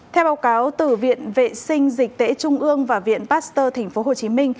theo báo cáo từ viện vệ sinh dịch tễ trung ương và viện pasteur tp hcm